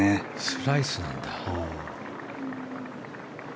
スライスなんだ。